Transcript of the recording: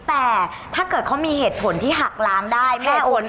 แต่ถ้าเกิดเขามีเหตุผลที่หักล้างได้ไม่โอน